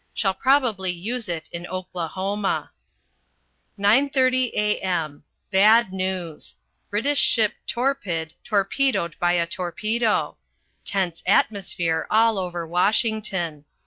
Shall probably use it in Oklahoma. 9.30 a.m. Bad news. British ship Torpid torpedoed by a torpedo. Tense atmosphere all over Washington.